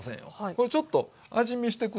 これちょっと味見して下さい。